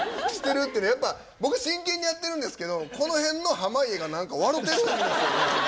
僕真剣にやってるんですけどこの辺の濱家が何か笑てるんですよね。